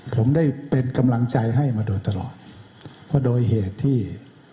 ผมได้เป็นกำลังใจให้มาโดยตลอดว่าโดยเหตุที่